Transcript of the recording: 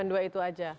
cuma dua itu aja